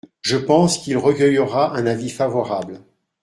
Je pense qu’il recueillera un avis favorable.